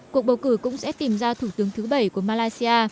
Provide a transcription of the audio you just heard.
cuộc bầu cử cũng sẽ tìm ra thủ tướng thứ bảy của malaysia